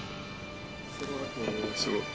すごい。